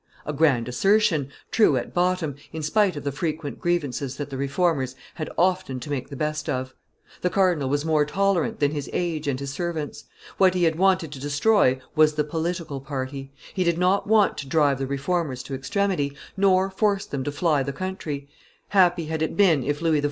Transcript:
A grand assertion, true at bottom, in spite of the frequent grievances that the Reformers had often to make the best of; the cardinal was more tolerant than his age and his servants; what he had wanted to destroy was the political party; he did not want to drive the Reformers to extremity, nor force them to fly the country; happy had it been if Louis XIV.